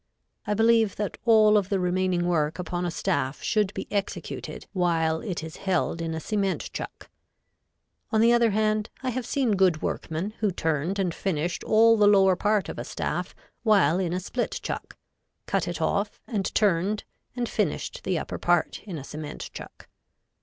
I believe that all of the remaining work upon a staff should be executed while it is held in a cement chuck. On the other hand I have seen good workmen who turned and finished all the lower part of a staff while in a split chuck, cut it off and turned and finished the upper part in a cement chuck.